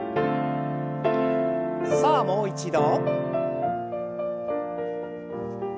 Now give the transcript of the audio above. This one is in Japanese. さあもう一度。